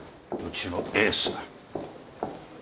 うちのエースだ。